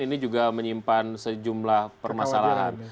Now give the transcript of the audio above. ini juga menyimpan sejumlah permasalahan